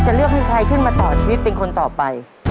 เลือกให้ใครขึ้นมาต่อชีวิตเป็นคนต่อไป